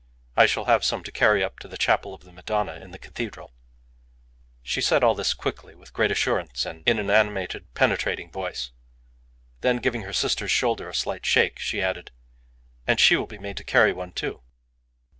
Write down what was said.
I shall have some to carry up to the Chapel of the Madonna in the Cathedral." She said all this quickly, with great assurance, in an animated, penetrating voice. Then, giving her sister's shoulder a slight shake, she added "And she will be made to carry one, too!"